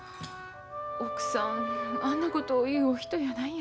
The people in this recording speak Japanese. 奥さんあんなことを言うお人やないんやけど。